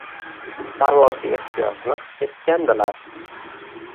Parvozga ehtiyojni his etgandilar